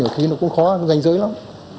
thì nó cũng khó nó gánh dưới lắm